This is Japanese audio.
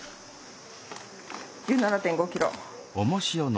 １７．５キロ。